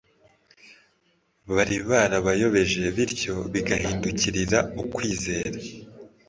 bari barabayobeje bityo bagahindukirira ukwizera